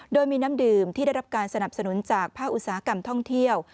โดยมีน้ำดื่มที่ได้รับการสนับสนุนจากภาคอุตสาหกรรมท่องเที่ยว